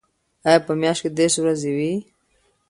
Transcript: آیا په میاشت کې دېرش ورځې وي؟